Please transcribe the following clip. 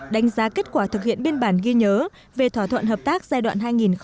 đánh giá kết quả thực hiện biên bản ghi nhớ về thỏa thuận hợp tác giai đoạn hai nghìn một mươi năm hai nghìn hai mươi năm